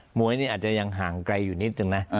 หมวยนี่อาจจะยังห่างไกลอยู่นี่ตรงนี้นะ